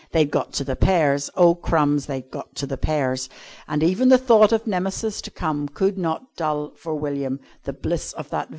They'd got to the pears! Oh, crumbs! They'd got to the pears! And even the thought of Nemesis to come could not dull for William the bliss of that vision.